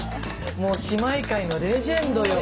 もう姉妹界のレジェンドよ。